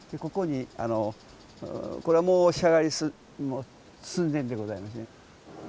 ここにこれはもう仕上がり寸前でございますね。